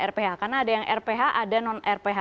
rph karena ada yang rph ada non rph